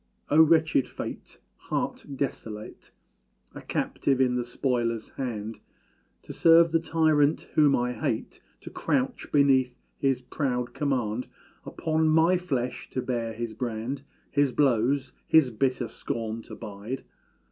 Oh, wretched fate! heart desolate, A captive in the spoiler's hand, To serve the tyrant, whom I hate To crouch beneath his proud command Upon my flesh to bear his brand His blows, his bitter scorn to bide!